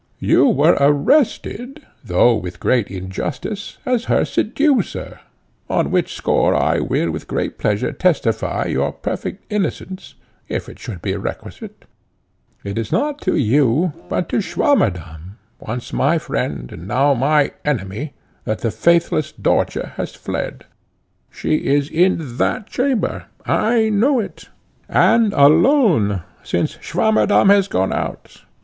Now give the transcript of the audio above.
You were arrested, though with great injustice, as her seducer, on which score I will with great pleasure testify your perfect innocence, if it should be requisite. It is not to you, but to Swammerdamm, once my friend, and now my enemy, that the faithless Dörtje has fled. She is in that chamber I know it and alone, since Swammerdamm has gone out.